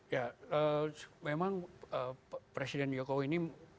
ya memang presiden jokowi ini